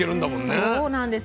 そうなんです。